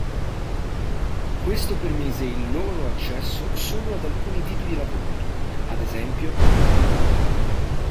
Questo permise il loro accesso solo ad alcuni tipi di lavori, ad es.